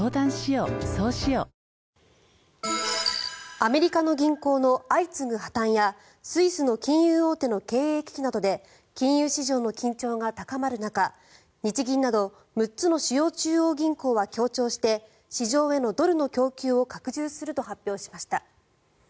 アメリカの銀行の相次ぐ破たんやスイスの金融大手の経営危機などで金融市場の緊張が高まる中日銀など６つの主要中央銀行は協調して市場へのドルの供給を拡充すると発表しました。